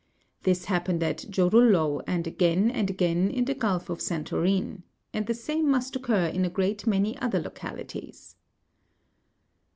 This happened at Jorullo, and again and again in the gulf of Santorin, and the same must occur in a great many other localities.